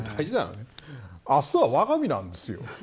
明日はわが身なんですよ。